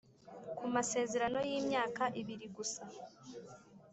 ku masezerano y’imyaka ibiri gusa